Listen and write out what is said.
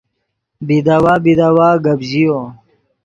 بیداوا بیداوا گپ ژیو